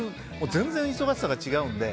全然忙しさが違うので。